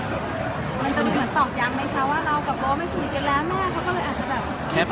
อเรนนี่ก็อาจจะคิดเยอะไปแม่แม่ท่อนขัดเต็มไปคิดอะไรก็ได้ครับ